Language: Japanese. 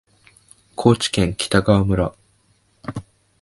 高知県北川村